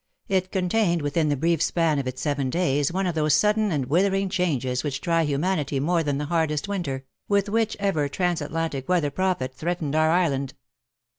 It contained within the brief span of its seven days one of those sndden and withering changes which try humanity more than the hardest winter,, with which ever Transatlantic weather prophet threatened our island.